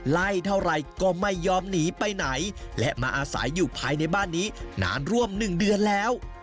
เท่าไรก็ไม่ยอมหนีไปไหนและมาอาศัยอยู่ภายในบ้านนี้นานร่วม๑เดือนแล้ว